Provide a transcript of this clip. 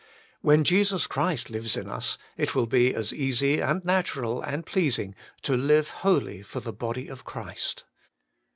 When Jesus Christ lives in us, it will be as easy and natural and pleasing to live wholly for the body of Christ.